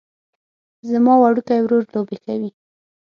زما وړوکی ورور لوبې کوي